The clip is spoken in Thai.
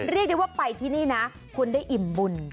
เรียกได้ว่าไปที่นี่นะคุณได้อิ่มบุญ